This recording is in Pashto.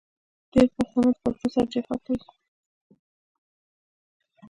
ډېری پښتانه د پښتو سره جفا کوي .